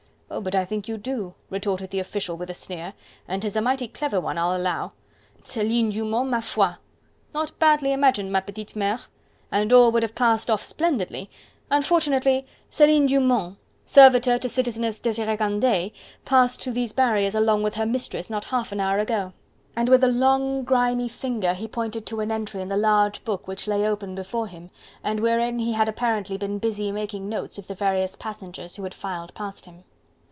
"Oh! but I think you do!" retorted the official with a sneer, "and 'tis a mighty clever one, I'll allow. Celine Dumont, ma foi! Not badly imagined, ma petite mere: and all would have passed off splendidly; unfortunately, Celine Dumont, servitor to Citizeness Desiree Candeille, passed through these barriers along with her mistress not half an hour ago." And with long, grimy finger he pointed to an entry in the large book which lay open before him, and wherein he had apparently been busy making notes of the various passengers who had filed past him.